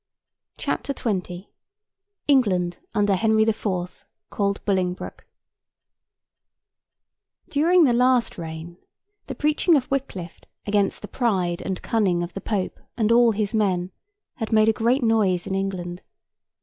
CHAPTER XX ENGLAND UNDER HENRY THE FOURTH, CALLED BOLINGBROKE During the last reign, the preaching of Wickliffe against the pride and cunning of the Pope and all his men, had made a great noise in England.